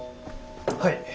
はい。